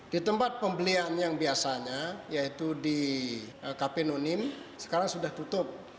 di tempat pembelian yang biasanya yaitu di kapinunin sekarang sudah tutup